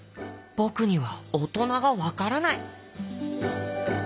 「ぼくにはおとながわからない！」。